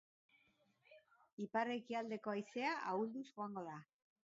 Ipar-ekialdeko haizea ahulduz joango da.